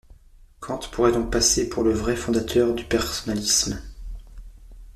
Kant pourrait donc passer pour le vrai fondateur du personnalisme.